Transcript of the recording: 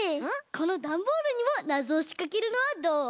このダンボールにもなぞをしかけるのはどう？